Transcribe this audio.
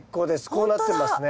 こうなってますね。